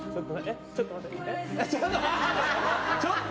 ちょっと待って。